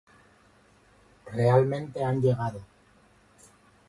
Realmente han llegado".